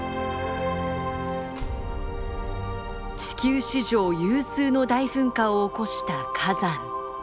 地球史上有数の大噴火を起こした火山。